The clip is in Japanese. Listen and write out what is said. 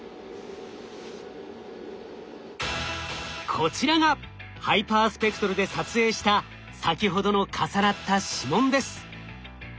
こちらがハイパースペクトルで撮影した先ほどの重なった指紋です。